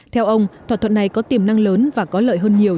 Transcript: theo ông thỏa thuận này có tiềm năng lớn và có lợi hơn nhiều